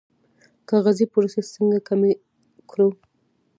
کاغذي پروسې څنګه کمې کړو؟